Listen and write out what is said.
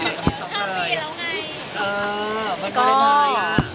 เออมันก็ได้ท้ายอ่ะ